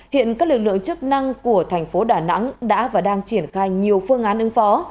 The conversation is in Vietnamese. hiện các lực lượng chức năng của thành phố đà nẵng đã và đang triển khai nhiều phương án ứng phó